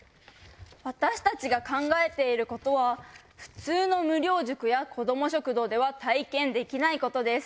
私たちが考えていることは普通の無料塾や子ども食堂では体験できないことです。